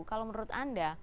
kalau menurut anda